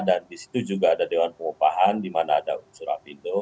dan di situ juga ada dewan pengupahan di mana ada surat bindo